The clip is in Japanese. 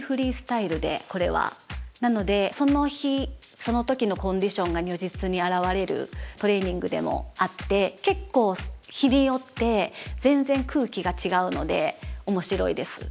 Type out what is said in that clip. なのでその日その時のコンディションが如実に表れるトレーニングでもあって結構日によって全然空気が違うので面白いです。